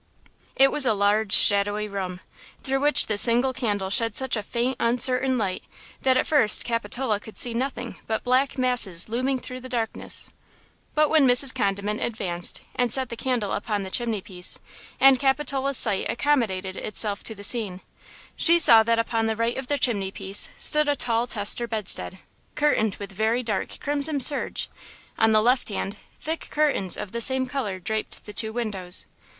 It was a large, shadowy room, through which the single candle shed such a faint, uncertain light that at first Capitola could see nothing but black masses looming through the darkness. But when Mrs. Condiment advanced and set the candle upon the chimney piece, and Capitola's sight accommodated itself to the scene, she saw that upon the right of the chimney piece stood a tall tester bedstead, curtained with very dark crimson serge; on the left hand, thick curtains of the same color draped the two windows.